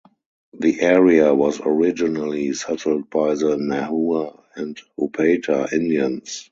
The area was originally settled by the Nahua and Opata Indians.